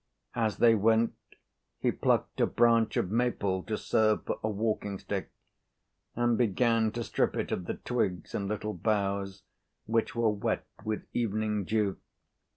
As they went, he plucked a branch of maple to serve for a walking stick, and began to strip it of the twigs and little boughs, which were wet with evening dew.